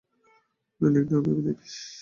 ওদের দিকটাও ভেবে দেখিস।